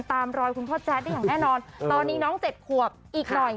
ตามรอยคุณพ่อแจ๊ดได้อย่างแน่นอนตอนนี้น้องเจ็ดขวบอีกหน่อย